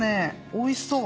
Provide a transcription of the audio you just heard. おいしそう。